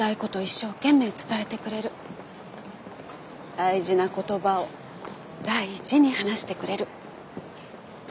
大事な言葉を大事に話してくれる。